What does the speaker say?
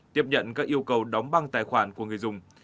tiếp nhận các yêu cầu đóng băng tài khoản của người dùng